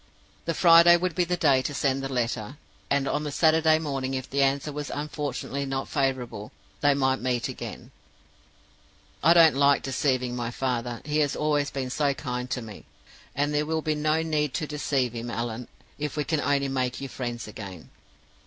The Friday would be the day to send the letter, and on the Saturday morning if the answer was unfortunately not favorable, they might meet again, 'I don't like deceiving my father; he has always been so kind to me. And there will be no need to deceive him, Allan, if we can only make you friends again.